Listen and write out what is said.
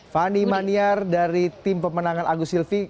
fani maniar dari tim pemenangan agus silvi